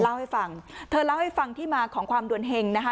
เล่าให้ฟังเธอเล่าให้ฟังที่มาของความดวนเฮงนะคะ